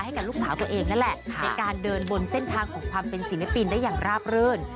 ให้กับลูกสาวตัวเองนั่นแหละในการเดินบนเส้นทางของความเป็นศิลปินได้อย่างราบรื่น